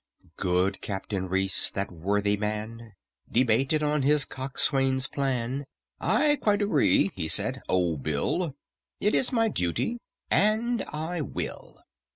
Good CAPTAIN REECE, that worthy man, Debated on his coxswain's plan: "I quite agree," he said, "O BILL; It is my duty, and I will.